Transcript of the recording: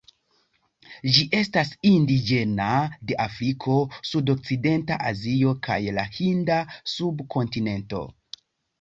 Ĝi estas indiĝena de Afriko, Sudokcidenta Azio, kaj la Hinda subkontinento.